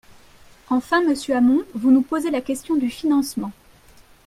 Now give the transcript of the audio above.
Enfin, monsieur Hamon, vous nous posez la question du financement.